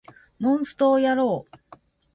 モンストをやろう